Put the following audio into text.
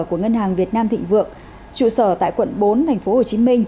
của ngân hàng việt nam thịnh vượng trụ sở tại quận bốn tp hcm